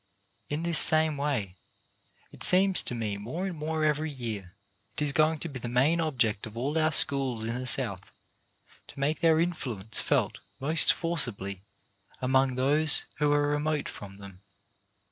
In this same way, it seems to me more and more every year, it is going to be the main object of all our schools in the South to make their influence felt most forci bly among those who are remote from them.